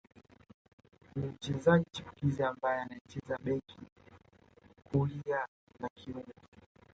Ni mchezaji chipukizi ambaye anacheza beki kulia na kiungo